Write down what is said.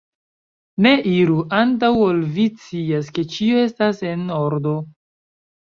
Ne iru, antaŭ ol vi scias, ke ĉio estas en ordo!